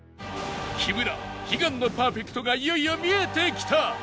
木村悲願のパーフェクトがいよいよ見えてきた！